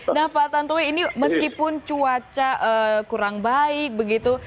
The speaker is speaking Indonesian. nah pak tantowi ini meskipun cuaca kurang baik begitu